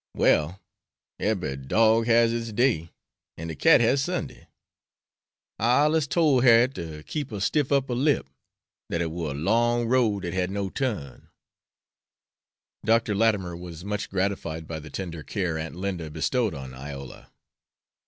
Well, ebery dorg has its day, and de cat has Sunday. I allers tole Har'yet ter keep a stiff upper lip; dat it war a long road dat had no turn." Dr. Latimer was much gratified by the tender care Aunt Linda bestowed on Iola.